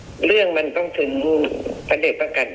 เรื่องมันต้องถึงพระเด็กประกัน